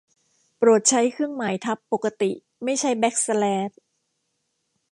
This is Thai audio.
โปรดใช้เครื่องหมายทับปกติไม่ใช่แบ็กสแลช